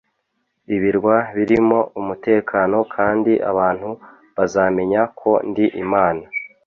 ibirwa birimo umutekano kandi abantu bazamenya ko ndi imana